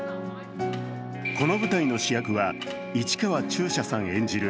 この舞台の主役は市川中車さん演じる